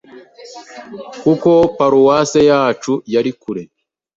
kuko Paruwase yacu yari kure.